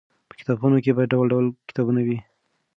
په کتابخانو کې باید ډول ډول کتابونه وي.